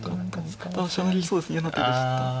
ただ飛車成りそうですね嫌な手でした。